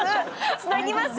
つなぎますよ！